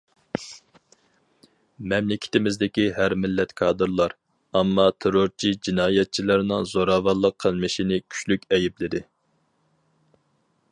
مەملىكىتىمىزدىكى ھەر مىللەت كادىرلار، ئامما تېررورچى جىنايەتچىلەرنىڭ زوراۋانلىق قىلمىشىنى كۈچلۈك ئەيىبلىدى.